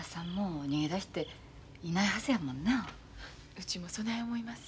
うちもそない思います。